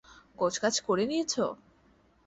গোছগাছ করে নিয়েছ?